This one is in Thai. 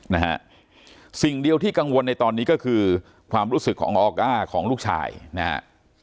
นะฮะสิ่งเดียวที่กังวลในตอนนี้ก็คือความรู้สึกของออก้าของลูกชายนะฮะ